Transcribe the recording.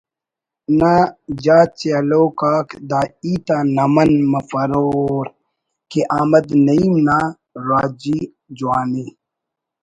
نا جاچ ءِ ہلوک آک دا ہیت آن نمن مفرور کہ نعیم نا راجی جوانی